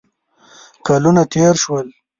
کلونه تېر شول.